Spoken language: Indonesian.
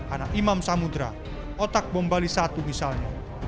anak imam samudra otak bombali i misalnya